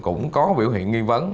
cũng có biểu hiện nghi vấn